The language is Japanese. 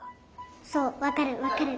そうわかるわかる。